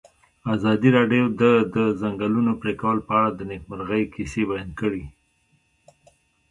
ازادي راډیو د د ځنګلونو پرېکول په اړه د نېکمرغۍ کیسې بیان کړې.